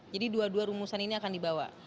jadi dua dua rumusan ini akan dibawa